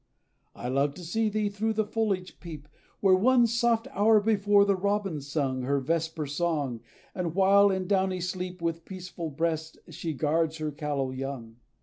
I love to see thee through the foliage peep, Where, one soft hour before, the robin sung Her vesper song; the while, in downy sleep, With peaceful breast she guards her callow young.